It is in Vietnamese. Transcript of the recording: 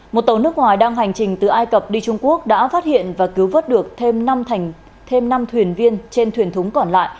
một tàu nước ngoài đang hành trình từ ai cập đi trung quốc đã phát hiện và cứu vớt được thêm năm thuyền viên trên thuyền thúng còn lại